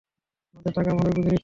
আমাদের টাকা আমরাই বুঝে নিচ্ছি।